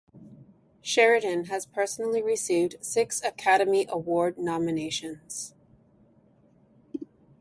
Sheridan has personally received six Academy Award nominations.